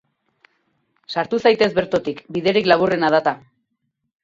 Sartu zaitez bertotik, biderik laburrena da ta.